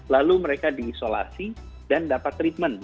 lalu mereka diisolasi dan dapat treatment